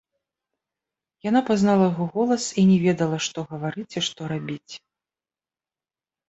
Яна пазнала яго голас і не ведала, што гаварыць і што рабіць.